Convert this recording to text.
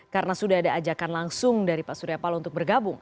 karena sudah ada ajakan langsung dari pak suryapal untuk bergabung